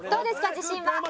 自信は。